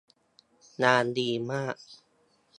งานดีมาก